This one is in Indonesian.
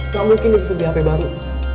gak mungkin dia bisa beli hp baru